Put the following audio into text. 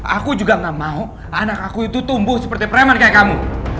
aku juga gak mau anak aku itu tumbuh seperti preman kayak kamu